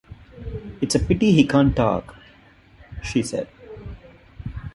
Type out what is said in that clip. “It’s a pity he can’t talk,” she said.